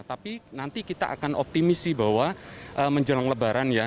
tapi nanti kita akan optimis sih bahwa menjelang lebaran ya